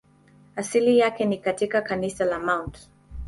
Asili yake ni katika kanisa la Mt.